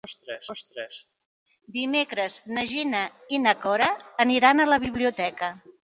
Dimecres na Gina i na Cora aniran a la biblioteca.